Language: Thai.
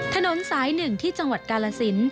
ถนนสาย๑ที่จังหวัดกาลสิน